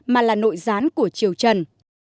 mà là nội gián của triều trần